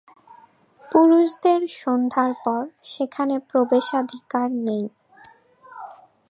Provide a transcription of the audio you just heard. পুরুষদের সন্ধ্যার পর সেখানে প্রবেশাধিকার নেই।